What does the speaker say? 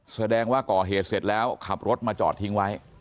แสดงว่าก่อเหตุเสร็จแล้วขับรถมาจอดทิ้งไว้